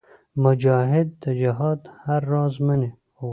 مجاهد د جهاد هر راز منې.